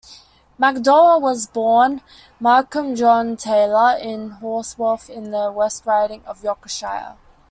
McDowell was born Malcolm John Taylor in Horsforth in the West Riding of Yorkshire.